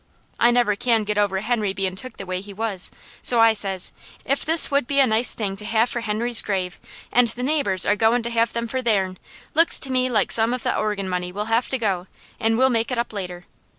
I never can get over Henry bein' took the way he was, so I says: 'If this would be a nice thing to have for Henry's grave, and the neighbours are goin' to have them for theirn, looks to me like some of the organ money will have to go, an' we'll make it up later.'